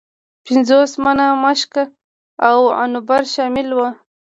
پنځوس منه مشک او عنبر شامل وه.